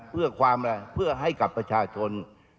เพื่อให้กับประชาชน